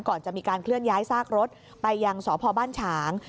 ก่อนจะมีการเคลื่อนย้ายซากรถไปยังสพบ้านฉาง